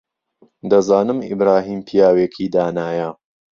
دەزانم ئیبراهیم پیاوێکی دانایە.